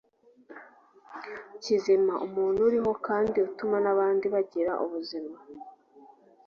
Kizima: umuntu uriho kandi utuma n’abandi bagira ubuzima.